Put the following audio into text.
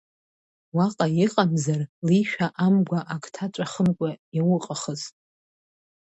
Уаҟа иҟамзар, лишәа амгәа ак ҭаҵәахымкәа иауҟахыз.